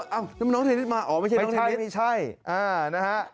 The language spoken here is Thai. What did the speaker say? อ้าวนั้นคงไม่ใช่น้องเทนนิสมาอ๋อไม่ใช่น้องเทนนิสใช่ฮา